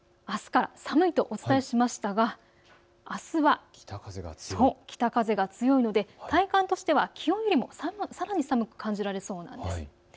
あすから寒いとお伝えしましたがあすは北風が強いので体感としてはきょうよりもさらに寒く感じられそうです。